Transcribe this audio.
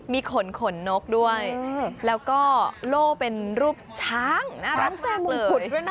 มีขนขนนกด้วยแล้วก็โล่เป็นรูปช้างน่ารัก